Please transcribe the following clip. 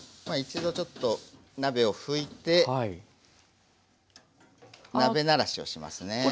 まあ一度ちょっと鍋を拭いて鍋慣らしをしますね。